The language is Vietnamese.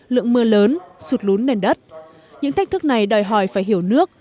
lượng mưa lớn sụt lún nền đất những thách thức này đòi hỏi phải hiểu nước